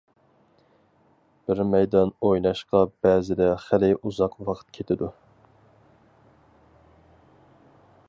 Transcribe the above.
بىر مەيدان ئويناشقا بەزىدە خېلى ئۇزاق ۋاقىت كېتىدۇ.